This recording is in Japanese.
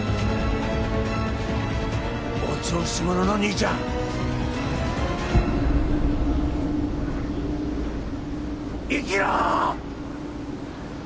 お調子者の兄ちゃん生きろー！